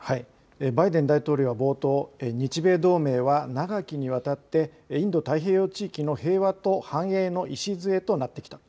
バイデン大統領は冒頭、日米同盟は長きにわたってインド太平洋地域の平和と繁栄の礎となってきた。